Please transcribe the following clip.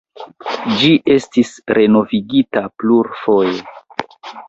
Ĝi estis renovigita plurfoje.